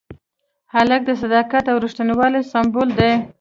هلک د صداقت او ریښتینولۍ سمبول دی.